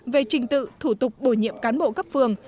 về trình tự thủ tục bồi nhiệm cán bộ cấp phường